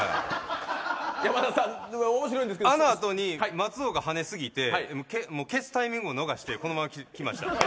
あの後に松尾がはねすぎて消すタイミングを逃して今のまま来ました。